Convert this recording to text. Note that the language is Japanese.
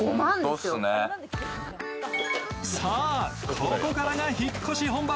ここからが引っ越し本番。